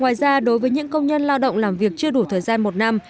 ngoài ra đối với những công nhân lao động làm việc chưa đủ thời gian một năm